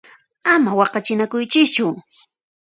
Ama waqachinakuychischu!